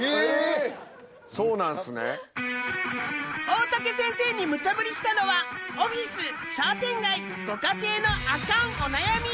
大竹先生にむちゃぶりしたのはオフィス商店街ご家庭のアカンお悩み。